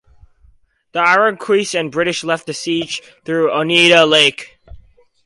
The Iroquois and British left the siege through Oneida Lake.